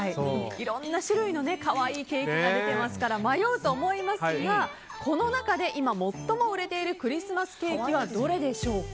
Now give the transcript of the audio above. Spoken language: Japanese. いろんな種類の可愛いケーキが出てますから迷うと思いますがこの中で今最も売れているクリスマスケーキはどれでしょうか？